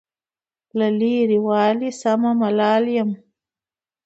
له لرې والي سمه ملال یم.